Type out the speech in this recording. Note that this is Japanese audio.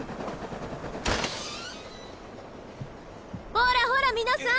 ほらほら皆さん